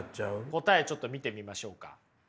答えちょっと見てみましょうか。